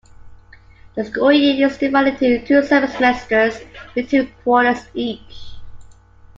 The school year is divided into two semesters with two quarters each.